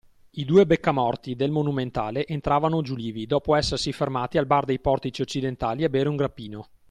I due beccamorti del Monumentale entravano giulivi, dopo essersi fermati al bar dei Portici Occidentali a bere un grappino.